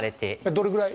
どれぐらい？